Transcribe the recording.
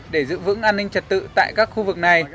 để giữ vững an ninh trật tự tại các khu vực này